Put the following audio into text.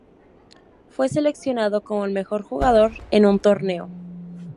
Fue seleccionado como el mejor jugador en un torneo.